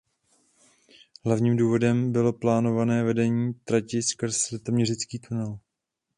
Hlavním důvodem bylo plánované vedení trati skrz litoměřický tunel.